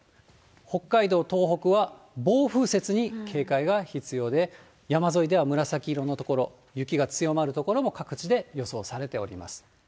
北海道、東北は暴風雪に警戒が必要で、山沿いでは紫色の所、雪が強まる所も各地で予想されております。